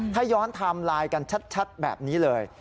ถ้าย้อนไทม์ไลน์กันชัดแบบนี้เลย